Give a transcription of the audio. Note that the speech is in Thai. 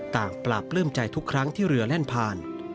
ปราบปลื้มใจทุกครั้งที่เรือแล่นผ่าน